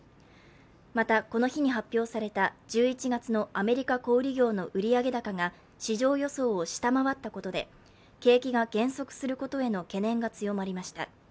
また、この日に発表された１１月のアメリカ小売業の売上高が市場予想を下回ったことで景気が減速することへの懸念が強まりました。